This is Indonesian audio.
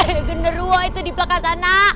eh genderwo itu di belakang sana